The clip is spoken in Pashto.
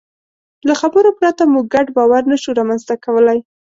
له خبرو پرته موږ ګډ باور نهشو رامنځ ته کولی.